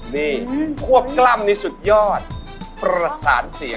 นี่ควบกล้ำนี่สุดยอดประสานเสียง